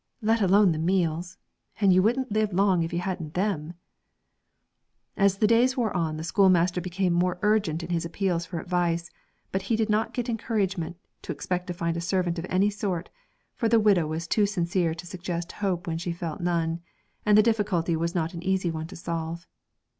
let alone the meals; and you wouldn't live long if you hadn't them.' As the days wore on, the schoolmaster became more urgent in his appeals for advice, but he did not get encouragement to expect to find a servant of any sort, for the widow was too sincere to suggest hope when she felt none, and the difficulty was not an easy one to solve.